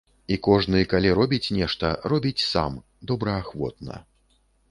І кожны, калі робіць нешта, робіць сам, добраахвотна.